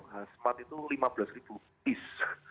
tempat itu lima belas is